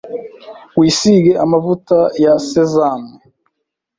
Wisige amavuta ya sezame